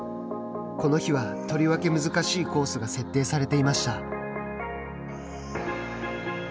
この日は、とりわけ難しいコースが設定されていました。